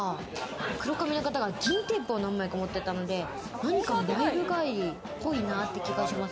黒髪の方が銀テープを何枚か持ってたので、何かのライブ帰りっぽいなという気がします。